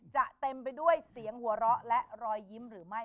จะเต็มไปด้วยเสียงหัวเราะและรอยยิ้มหรือไม่